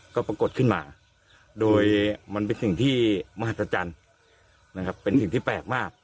ก็ปรากฏขึ้นมาโดยมันเป็นสิ่งที่มหัศจรรย์นะครับเป็นสิ่งที่แปลกมาก